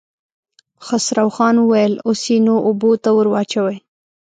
خسرو خان وويل: اوس يې نو اوبو ته ور واچوئ.